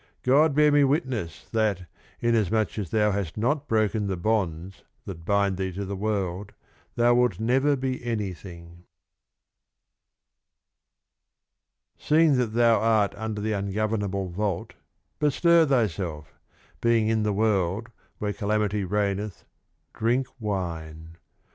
God bear me witness that, inasmuch as thou hast not broken the Bonds that bind thee to the World, thou wilt never be anything. (417) Seeing that thou art under the ungovern able Vault, bestir thyself : being in the World where Calamity reigneth, drink Wine.